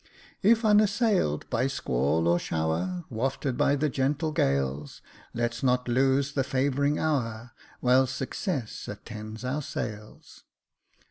" If unassail'd by squall or shower, Wafted by the gentle gales. Let's not lose the favouring hour, while success attends our sails."